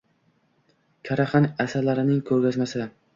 Karaxan asarlarining ko‘rgazmasi